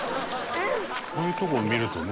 「こういうとこを見るとね